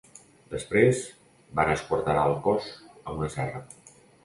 Després van esquarterà el cos amb una serra.